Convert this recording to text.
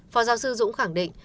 phó giáo sư dũng khẳng định